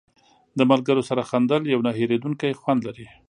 د ملګرو سره وخندل یو نه هېرېدونکی خوند لري.